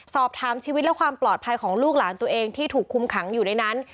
สอบถามชีวิตและความปลอดภัยของลูกหลานตัวเองที่ถูกคุมขังอยู่ในนั้น